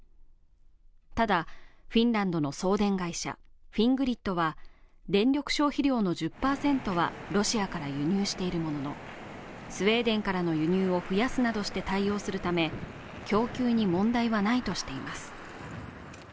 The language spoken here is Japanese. ただフィンランドの送電会社フィングリッドは、電力消費量の１０％はロシアから輸入しているものの、スウェーデンからの輸入を増やすなどして対応するため供給に問題はないとしています。